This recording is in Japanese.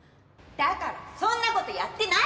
だからそんな事やってないわよ！